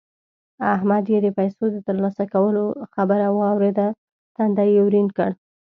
احمد چې د پيسو د تر لاسه کولو خبره واورېده؛ تندی يې ورين کړ.